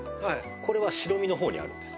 これは白身の方にあるんです。